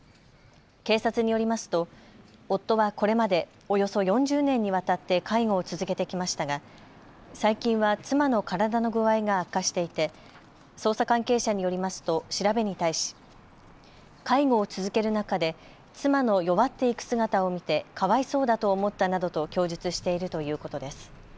警察によりますと夫はこれまでおよそ４０年にわたって介護を続けてきましたが最近は妻の体の具合が悪化していて捜査関係者によりますと調べに対し介護を続ける中で妻の弱っていく姿を見てかわいそうだと思ったなどと供述しているということです。